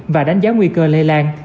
và đánh giá nguy cơ lây lan